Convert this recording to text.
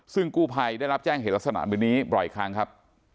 ซึ่งกู้ภัยได้รับแจ้งเหตุลักษณะแบบนี้บ่อยครั้งครับ